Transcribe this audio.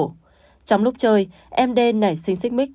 trong lúc chơi m d nảy sinh xích mít